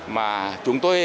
mà chúng tôi